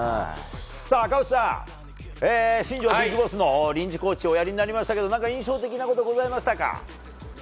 赤星さん、新庄ビッグボスの臨時コーチをおやりになりましたけど何か印象的なことございましたか？